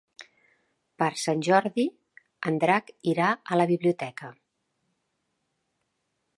Per Sant Jordi en Drac irà a la biblioteca.